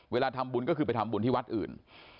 เวลาทำบุญก็คือไปทำบุญที่วัดอื่น